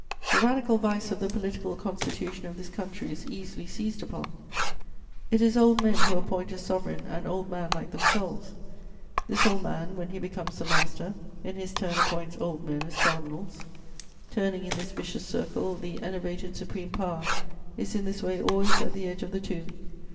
"The radical vice of the political constitution of this country is easily seized upon: it is old men who appoint as sovereign an old man like themselves. This old man, when he becomes the master, in his turn appoints old men as cardinals. Turning in this vicious circle, the enervated supreme power is in this way always at the edge of the tomb.